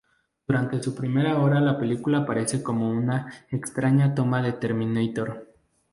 Durante su primera hora la película parece como una extraña toma en Terminator.